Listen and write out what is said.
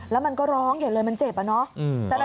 แล้วมันก็ร้องใหญ่เลยมันเจ็บอะเนาะ